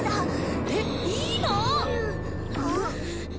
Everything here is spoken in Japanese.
えっ？いいの？